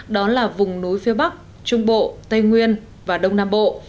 đó là vùng núi phía bắc trung bộ tây nguyên và đông nam bộ